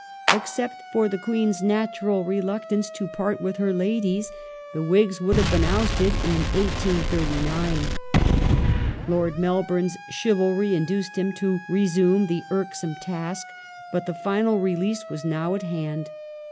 Except for the Queen's natural reluctance to part with her Ladies, the Whigs would have been ousted in 1839. Lord Mel bourne's chivalry induced him to resume the irksome task. But the final release was now at hand.